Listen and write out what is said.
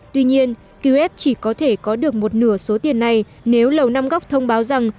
tuy nhiên qf chỉ có thể có được một nửa số tiền này nếu lầu năm góc thông báo rằng